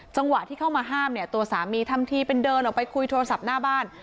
จังหวะที่เข้ามาห้ามเนี่ยตัวสามีทำทีเป็นเดินออกไปคุยโทรศัพท์หน้าบ้าน